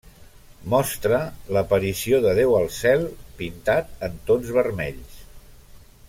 Mostra l'aparició de Déu al cel, pintat en tons vermells.